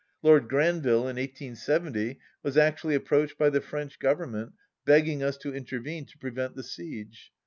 Lord Granville, in 1870, was actually approached by the French Government, begging us to intervene to prevent the Siege.